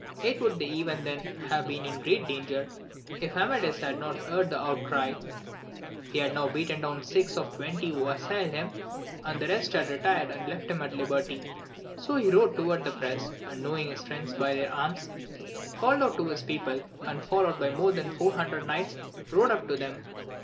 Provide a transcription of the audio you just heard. Yet would they even then have been in great danger, if Amadis had not heard the outcry ; he had now beaten down six of the twenty who assailed him, and the rest had retired and left him at liberty, so he rode toward that press, and knowing his friends by their arms, called out to his people, and followed by more than four hundred knights, rode up to them.